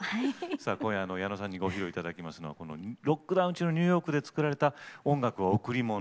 今夜、矢野さんにご披露いただくのはロックダウン中のニューヨークに作られた「音楽はおくりもの」